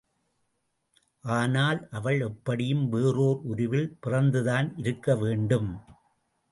ஆனால் அவள் எப்படியும் வேறொர் உருவில் பிறந்துதான் இருக்க வேண்டும்.